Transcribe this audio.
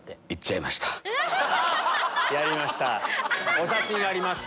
お写真あります。